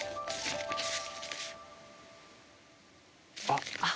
あっ。